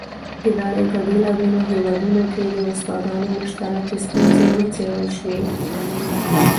د نړۍ په بېلابېلو هېوادونو کې د استادانو مشترکې ستونزې وڅېړل شوې.